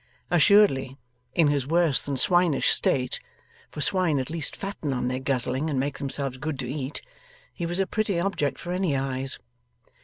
Assuredly, in his worse than swinish state (for swine at least fatten on their guzzling, and make themselves good to eat), he was a pretty object for any eyes.